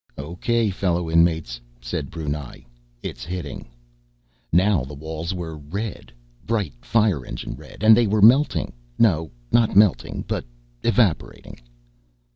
"O.K., fellow inmates," said Brunei, "it's hitting." Now the walls were red, bright fire engine red, and they were melting. No, not melting, but evaporating....